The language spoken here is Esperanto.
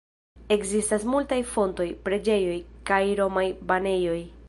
Ekzistas multaj fontoj, preĝejoj, kaj romaj banejoj.